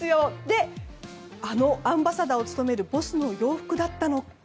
あのアンバサダーを務めるボスの洋服だったのか。